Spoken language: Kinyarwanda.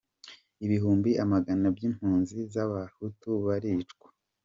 Ibihumbi amagana by’ Impunzi z’abahutu baricwa.